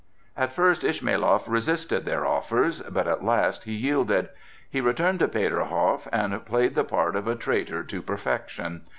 At first Ismailoff resisted their offers, but at last he yielded. He returned to Peterhof and played the part of a traitor to perfection.